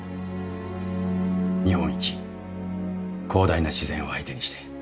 日本一広大な自然を相手にして。